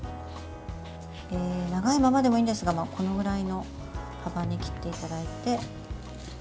長いままでもいいんですがこのぐらいの幅に切っていただいて。